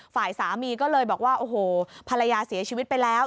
ฝ่ายสามีก็เลยบอกว่าโอ้โหภรรยาเสียชีวิตไปแล้ว